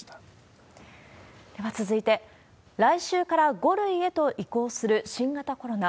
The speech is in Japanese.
では続いて、来週から５類へと移行する新型コロナ。